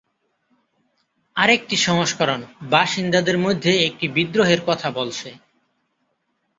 আরেকটি সংস্করণ, বাসিন্দাদের মধ্যে একটি বিদ্রোহের কথা বলছে।